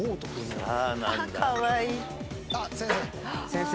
先生。